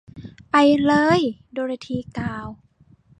“ไปเลย ! ” โดโรธีกล่าว